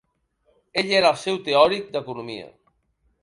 Ell era el seu teòric d'economia.